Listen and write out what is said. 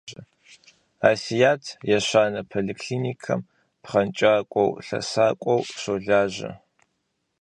Асият ещанэ поликлиникэм пхъэнкӏакӏуэ-лъэсакӏуэу щолажьэ.